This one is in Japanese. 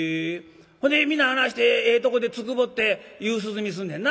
ほんで皆話してええとこでつくぼって夕涼みすんねんな」。